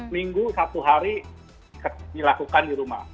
minggu satu hari dilakukan di rumah